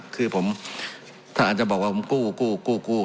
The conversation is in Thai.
คือผมท่านจะบอกว่าผมกู้กู้กู้กู้